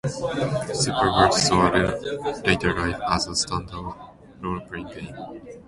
"Superworld" saw a later life as a standalone roleplaying game.